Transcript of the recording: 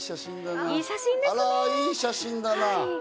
あら、いい写真だな。